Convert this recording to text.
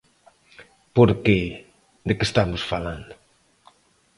Porque ¿de que estamos falando?